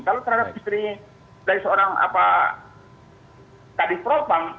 kalau terhadap istrinya dari seorang tadi propang